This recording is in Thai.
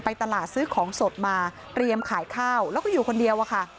ตลาดซื้อของสดมาเตรียมขายข้าวแล้วก็อยู่คนเดียวอะค่ะ